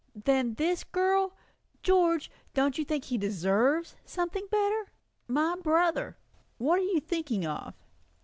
"Than this girl? George, don't you think he deserves something better? My brother? What are you thinking of?"